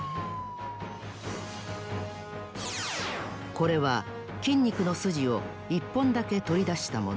これは筋肉のスジを１ぽんだけとりだしたもの。